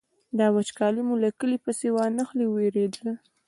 دا وچکالي مو له کلي پسې وانخلي وېرېدل.